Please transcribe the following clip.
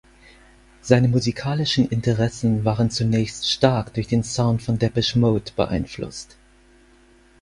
Seine musikalischen Interessen waren zunächst stark durch den Sound von Depeche Mode beeinflusst.